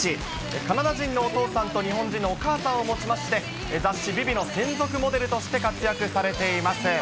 カナダ人のお父さんと日本人のお母さんを持ちまして、雑誌、ＶｉＶｉの専属モデルとして活躍されています。